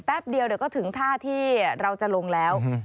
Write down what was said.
เดียวเดี๋ยวก็ถึงท่าที่เราจะลงแล้ว